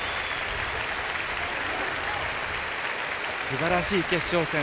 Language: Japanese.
すばらしい決勝戦。